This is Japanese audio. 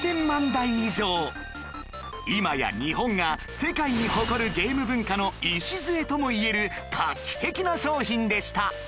今や日本が世界に誇るゲーム文化の礎ともいえる画期的な商品でした